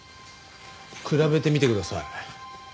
比べてみてください。